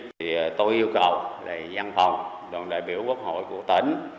thì tôi yêu cầu là giam phòng đoàn đại biểu quốc hội của tỉnh